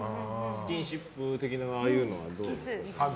スキンシップ的なのはどうですか？